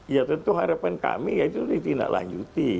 ya tentu harapan kami itu ditindaklanjuti ya kan